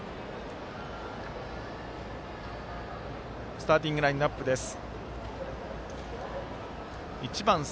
スターティングラインナップです。